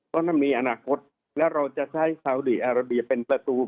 เพราะนั่นมีอนาคตและเราจะใช้ซาวดีอาราเบียเป็นประตู